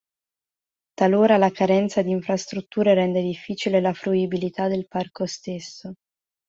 Talora la carenza di infrastrutture rende difficile la fruibilità del parco stesso.